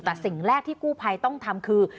แต่สิ่งแรกที่กู้ภัยต้องทำคือ